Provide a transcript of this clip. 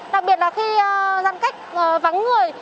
đặc biệt là khi gian cách vắng người